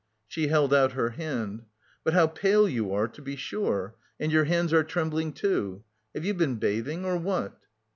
She held out her hand. "But how pale you are, to be sure... and your hands are trembling too? Have you been bathing, or what?"